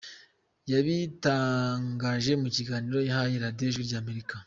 Yabitangaje mu kiganiro yahaye Radio Ijwi ry’Amerika: